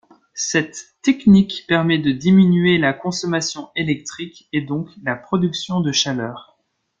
Cette technique permet de diminuer la consommation électrique et donc la production de chaleur.